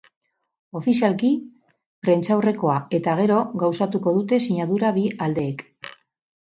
Ofizialki, prentsaurrekoa eta gero gauzatuko dute sinadura bi aldeek.